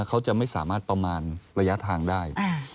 เขาจะไม่สามารถประมาณระยะทางได้